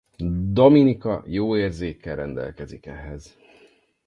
Dominika jó érzékkel rendelkezik ehhez.